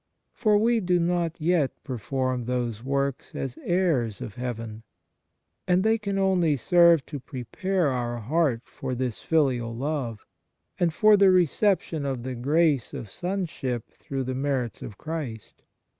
For we do not yet perform those works as heirs of heaven; and they can only serve to prepare our heart for this filial love, and for the recep tion of the grace of sonship through the merits of Christ.